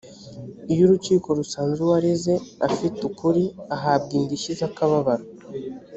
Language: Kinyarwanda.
iyo urukiko rusanze uwareze afite ukuri ahabwa indishyi z’akababaro